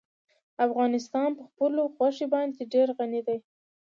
افغانستان په خپلو غوښې باندې ډېر غني دی.